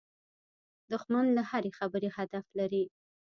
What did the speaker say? دښمن له هرې خبرې هدف لري